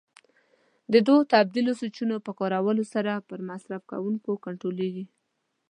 د دوو تبدیل سویچونو په کارولو سره یو مصرف کوونکی کنټرولېږي.